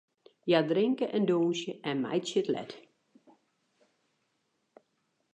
Hja drinke en dûnsje en meitsje it let.